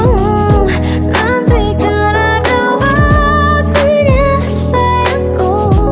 nanti kadang waktunya sayangku